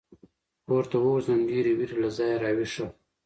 پـورتـه وغورځـېدم ، ډېـرې وېـرې له ځايـه راويـښه.